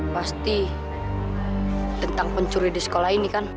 pasti tentang pencuri di sekolah ini kan